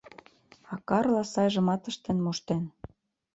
А Карла сайжымат ыштен моштен.